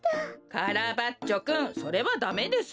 カラバッチョくんそれはダメです。